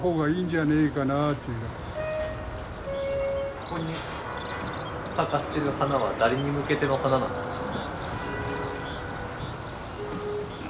ここに咲かせてる花は誰に向けての花なんですか？